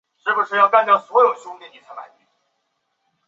当天高宗就前往显忠寺。